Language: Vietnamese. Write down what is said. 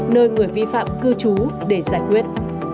nơi người vi phạm cư chú để giải quyết